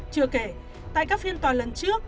chưa kể tại các phiên tòa lần trước